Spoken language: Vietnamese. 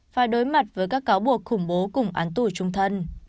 phải đối mặt với các cáo buộc khủng bố cùng án tù trung thân